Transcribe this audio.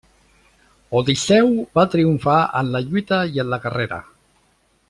Odisseu va triomfar en la lluita i en la carrera.